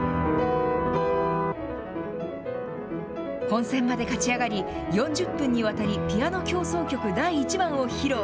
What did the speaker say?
本選まで勝ち上がり、４０分にわたり、ピアノ協奏曲第１番を披露。